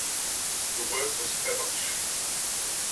The work was feverish.